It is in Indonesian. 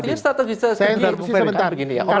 artinya strategisnya sendiri